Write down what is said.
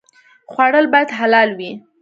خوړل باید حلال وي